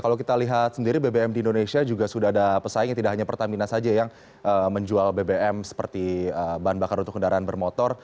kalau kita lihat sendiri bbm di indonesia juga sudah ada pesaing yang tidak hanya pertamina saja yang menjual bbm seperti bahan bakar untuk kendaraan bermotor